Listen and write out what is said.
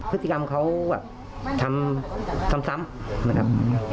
พฤติกรรมเขาแบบทำซ้ำนะครับ